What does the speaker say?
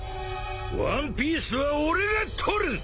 ワンピースは俺が取る！